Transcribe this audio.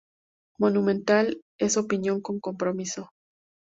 Monumental es Opinión con compromiso.